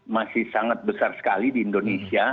masih sangat besar sekali di indonesia